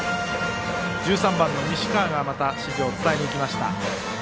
１３番の西川がまた指示を伝えにいきました。